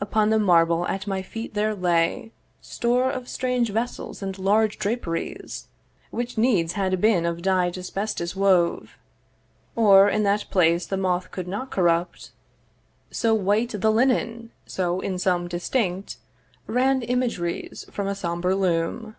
Upon the marble at my feet there lay Store of strange vessels and large draperies, Which needs had been of dyed asbestos wove, Or in that place the moth could not corrupt, So white the linen, so, in some, distinct Ran imageries from a sombre loom.